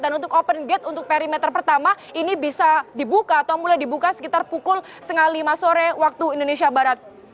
dan untuk open gate untuk perimeter pertama ini bisa dibuka atau mulai dibuka sekitar pukul setengah lima sore waktu indonesia barat